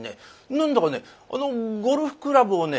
何だかねゴルフクラブをね